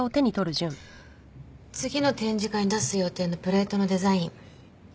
次の展示会に出す予定のプレートのデザイン